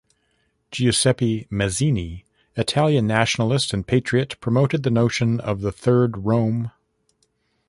Giuseppe Mazzini, Italian nationalist and patriot promoted the notion of the "Third Rome".